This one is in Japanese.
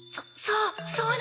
そそう！